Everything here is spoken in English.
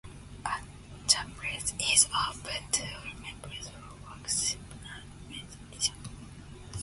A chapel is open to all members for worship and meditation.